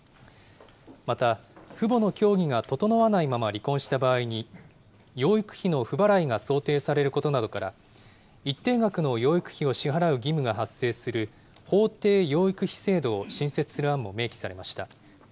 また父母の協議が整わないまま離婚した場合に、養育費の不払いが想定されることなどから、一定額の養育費を支払う義務が発生する法定養育費制度を新設する案も明記されました。